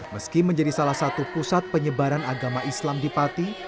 meski menjadi salah satu pusat penyebaran agama islam di pati